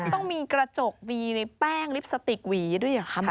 ต้องมีกระจกบีป้างลิปสติกบีด้วยหรือครับ